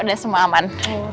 konflik supas matter